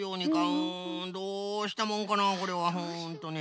うんどうしたもんかなこれはホントに。